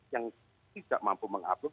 yang tidak mampu mengupload